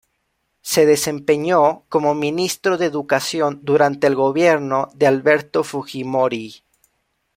Se desempeñó como Ministro de Educación durante el Gobierno de Alberto Fujimori.